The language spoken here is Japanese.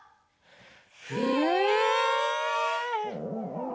へえ！